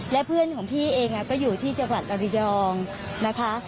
และเพื่อนของพี่เองก็อยู่ที่จังหวัดอริยองนะคะ